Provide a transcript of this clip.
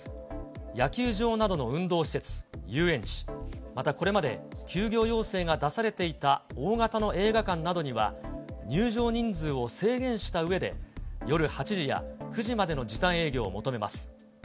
野球場などの運動施設、遊園地、またこれまで休業要請が出されていた大型の映画館などには、入場人数を制限したうえで、夜８時や９時までの時短営業を求めます。